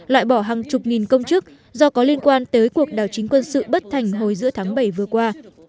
loại bỏ hàng chục nghìn công chức do có liên quan tới cuộc đảo chính quân sự bất thành hồi giữa tháng bảy vừa qua